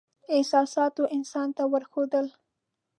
احساساتو انسان ته ور وښودل.